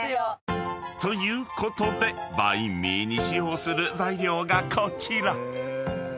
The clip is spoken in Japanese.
［ということでバインミーに使用する材料がこちら］